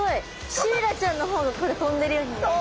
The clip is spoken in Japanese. シイラちゃんの方が飛んでるように見える。